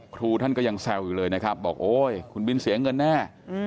ครูท่านก็ยังแซวอยู่เลยนะครับบอกโอ๊ยคุณบินเสียเงินแน่